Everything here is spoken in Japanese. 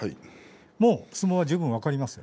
もう相撲を十分、分かりますか？